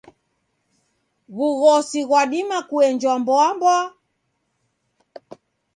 W'ughosi ghwadima kuenjwa mboamboa?